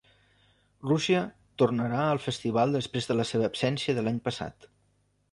Rússia tornarà al festival després de la seva absència de l'any passat.